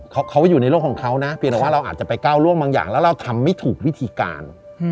เขาอยู่ในโลกของเขานะเพียงแต่ว่าเราอาจจะไปก้าวล่วงบางอย่างแล้วเราทำไม่ถูกวิธีการ